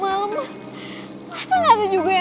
makanya masih enak itu kaliu